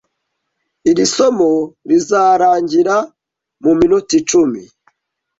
Iri somo rizarangira muminota icumi.